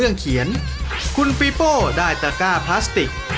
นี่ก็ได้